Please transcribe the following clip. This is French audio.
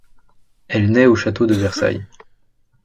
Elle naît au château de Versailles.